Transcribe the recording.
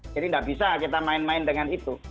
jadi tidak bisa kita main main dengan itu